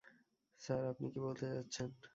Sir, আপনি কী বলতে চাচ্ছেন?